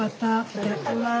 いただきます。